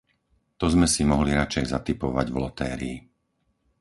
To sme si mohli radšej zatipovať v lotérii.